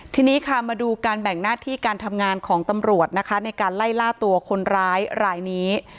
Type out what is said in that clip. ทีนี้ค่ะมาดูการแบ่งหน้าที่การทำงานของตำรวจนะคะในการไล่ล่าตัวคนร้ายรายนี้